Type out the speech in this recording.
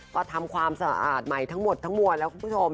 ก็ทำความสะอาดใหม่ทั้งหมดทั้งมวลแล้วคุณผู้ชม